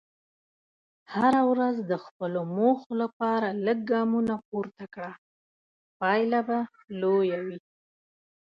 هره ورځ د خپلو موخو لپاره لږ ګامونه پورته کړه، پایله به لویه وي.